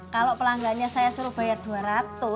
kalau pelanggannya saya suruh bayar rp dua ratus